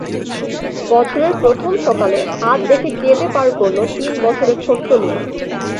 বছরের প্রথম সকালে হাত দেখে কেঁদে পার করল তিন বছরের ছোট্ট লিমা।